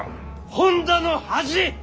本多の恥！